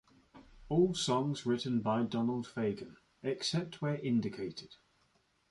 All songs written by Donald Fagen except where indicated.